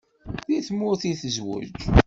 Deg tmurt i tezweǧ?